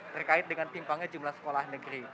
terkait dengan timpangnya jumlah sekolah negeri